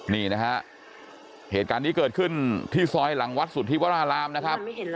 นี่นะฮะเหตุการณ์นี้เกิดขึ้นที่ซอยหลังวัดสุธิวรารามนะครับ